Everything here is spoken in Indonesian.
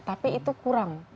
tapi itu kurang